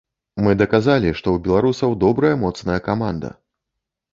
Мы даказалі, што ў беларусаў добрая, моцная каманда.